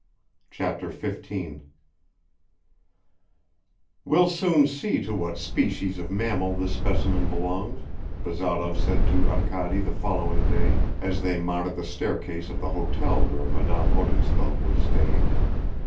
Chapter 15 "WE'LL SOON SEE TO WHAT SPECIES OF MAMMAL THIS SPECIMEN belongs," Bazarov said to Arkady the following day as they mounted the staircase of the hotel where Madame Odintsov was staying.